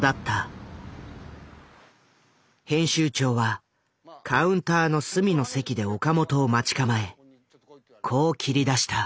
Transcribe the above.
編集長はカウンターの隅の席で岡本を待ち構えこう切り出した。